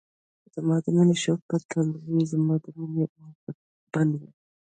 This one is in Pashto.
زما د مینی شور به تل وی زما د مینی اور به بل وی